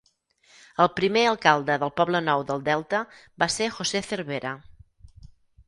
El primer Alcalde del Poble Nou del Delta va ser José Cervera.